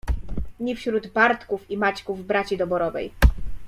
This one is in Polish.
Ni wśród Bartków i Maćków braci doborowej